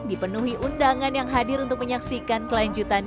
dipenuhi undangan yang hadir untuk menyaksikan kelanjutan